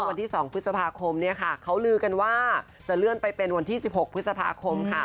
ในวันที่๒พฤษภาคมเขาลือกันว่าจะเลื่อนไปเป็นวันที่๑๖พฤษภาคม